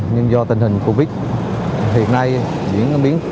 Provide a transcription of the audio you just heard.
nhưng do tình hình covid hiện nay diễn biến